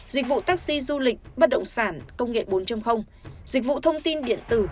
dịch vụ taxi du lịch bất động sản công nghệ bốn dịch vụ thông tin điện tử